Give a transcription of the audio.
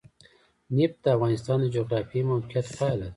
نفت د افغانستان د جغرافیایي موقیعت پایله ده.